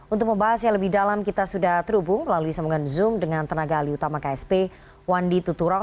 untuk membahas yang lebih dalam kita sudah terhubung melalui sambungan zoom dengan tenaga alih utama ksp wandi tuturong